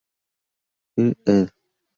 Fr., ed.